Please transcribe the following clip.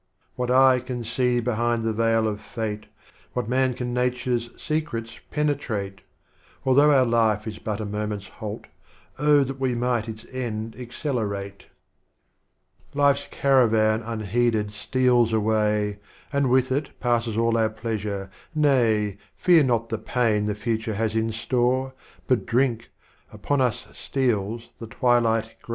What Eye can see behind the Veil of Fate? What Man can Nature's Secrets penetrate? — Although our Life is but a Moment's Halt, — Oh, that we mi^ht its End accelerate. Life's Caravan unheeded steals away, And with it passes all our Pleasure, nay, Fear not the Pain the Future has in Store, — But drink, upon us steals the Twilight gray.